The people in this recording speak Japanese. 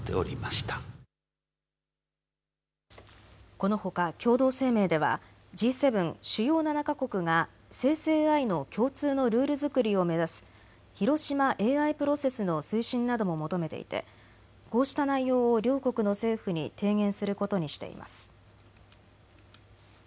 このほか共同声明ではＧ７・主要７か国が生成ＡＩの共通のルール作りを目指す広島ＡＩプロセスの推進なども求めていてこうした内容を両国の政府に提言することにしています。